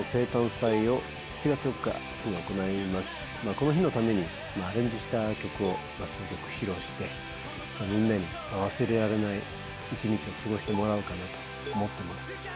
この日のためにアレンジした曲数曲披露して忘れられない一日を過ごしてもらおうかと思ってます。